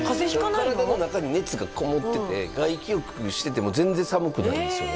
体の中に熱がこもってて外気浴してても全然寒くないんですよね